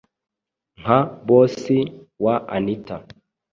nka boss wa anita,